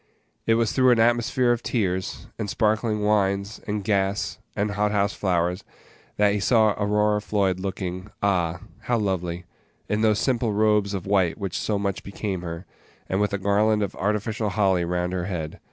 It was through an atmosphere of tears, and sparkling wines, and gas, and hot house flowers, that he saw Aurora Floyd, looking ah! how lovely, in those simple robes of white which so much became her, and with a garland of artificial holly round her head.